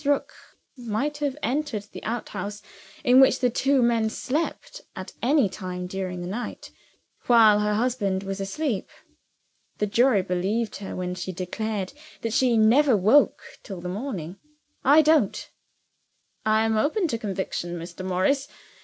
Rook might have entered the outhouse in which the two men slept, at any time during the night, while her husband was asleep. The jury believed her when she declared that she never woke till the morning. I don't." "I am open to conviction, Mr. Morris.